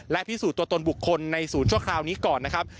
และพิสูจน์ตัวตนบุคคลในศูนย์ชั่วคราวนี้ก่อนนะครับ